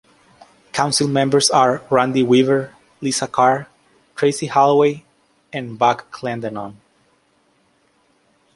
Council members are Randy Weaver, Lisa Carr, Tracy Holloway, and Buck Clendennon.